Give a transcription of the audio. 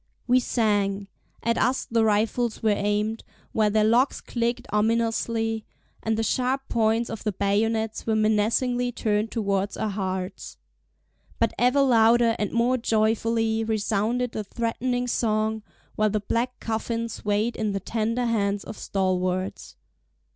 We sang! At us the rifles were aimed, while their locks clicked ominously, and the sharp points of the bayonets were menacingly turned towards our hearts. But ever louder and more joyfully resounded the threatening song, while the black coffin swayed in the tender hands of stalwarts.